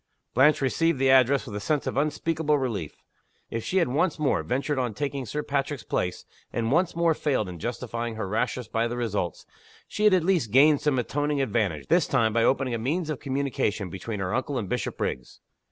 Blanche received the address with a sense of unspeakable relief. If she had once more ventured on taking Sir Patrick's place, and once more failed in justifying her rashness by the results, she had at least gained some atoning advantage, this time, by opening a means of communication between her uncle and Bishopriggs.